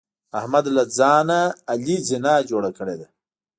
احمد له ځان نه علي زینه جوړه کړې ده.